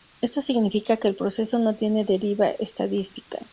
Esto significa que el proceso no tiene deriva estadística.